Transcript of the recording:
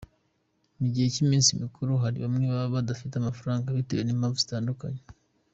Mu gihe cy’iminsi mikuru hari bamwe baba badafite amafaranga bitewe n’impamvu zitandukanye.